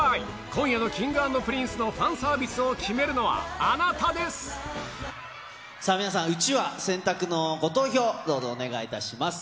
今夜のＫｉｎｇ＆Ｐｒｉｎｃｅのファンサービスを決めるのは、皆さん、うちわ、選択のご投票、どうぞお願いいたします。